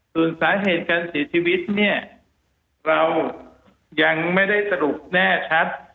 ส่วนสาเหตุการเสียชีวิตเนี่ยเรายังไม่ได้สรุปแน่ชัด